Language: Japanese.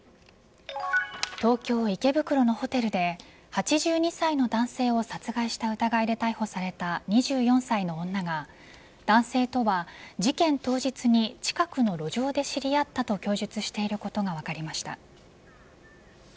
東京・池袋のホテルで８２歳の男性を殺害した疑いで逮捕された２４歳の女が男性とは事件当日に近くの路上で知り合ったと供述していることが分かりました。